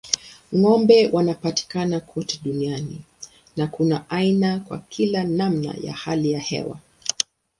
Ng'ombe wanapatikana kote duniani na kuna aina kwa kila namna ya hali ya hewa.